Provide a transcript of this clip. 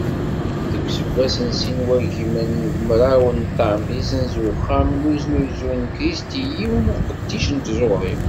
Deg useggas n sin n wagimen d mraw n ṭam, issenz uxxam n uznuzu Christie’s yiwen n uqeddic n tẓuri.